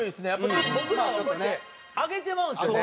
ちょっと僕らはこうやって上げてまうんですよね。